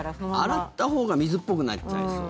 洗ったほうが水っぽくなっちゃいそう。